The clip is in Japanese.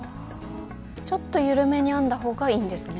ちょっと緩めに編んだ方がいいんですね。